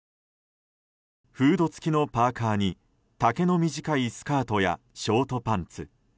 フード付きのパーカに丈の短いスカートやショートパンツ。